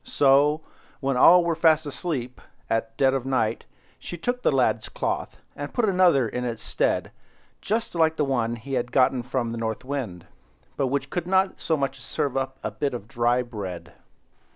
So, when all were fast asleep, at dead of night, she took the lad's cloth, and put another in its stead, just like the one he had got from the North Wind, but which couldn't so much as serve up a bit of dry bread.